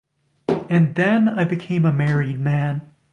And then I became a married man.